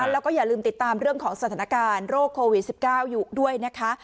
แล้วก็อย่าลืมติดตามเรื่องของสถานการณ์โรคโควิด๑๙อยู่ด้วยนะคะ